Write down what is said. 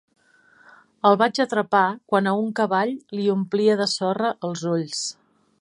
El vaig atrapar quan a un cavall li omplia de sorra els ulls.